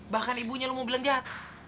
bahkan ibunya lu mau bilang jahat